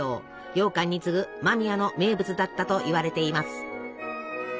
ようかんに次ぐ間宮の名物だったといわれています。